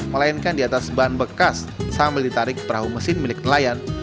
melainkan di atas ban bekas sambil ditarik perahu mesin milik nelayan